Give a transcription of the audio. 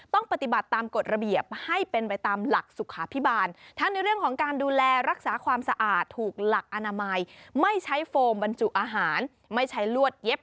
ต้องปฏิบัติตามกฎระเบียบให้เป็นไปตามหลักสุขภาพิบาล